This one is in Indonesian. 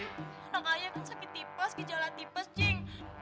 orang ayah kan sakit tipes gijalah tipes cing